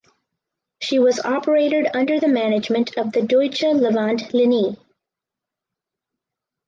She was operated under the management of the Deutsche Levant Linie.